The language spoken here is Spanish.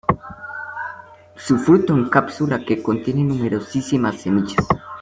Su fruto en cápsula que contiene numerosísimas semillas.